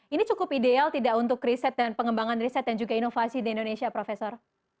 ini cukup ideal tidak untuk riset dan pengembangan riset dan juga inovasi di indonesia profesor